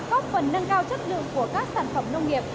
góp phần nâng cao chất lượng của các sản phẩm nông nghiệp